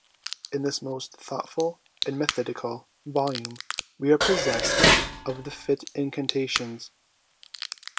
In this most thoughtful and methodical volume we are possessed of the fit incantations.